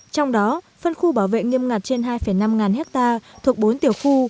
trong đó phân khu bảo vệ nghiêm ngặt trên hai năm hectare thuộc bốn tiểu khu